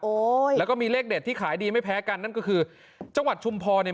แล้วก็มีเลขเด็ดที่ขายดีไม่แพ้กันนั่นก็คือจังหวัดชุมพรเนี่ย